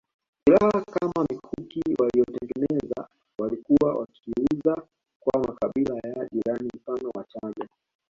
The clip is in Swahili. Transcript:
Silaha kama mikuki waliyotengeneza walikuwa wakiiuza kwa makabila ya jirani mfano Wachaga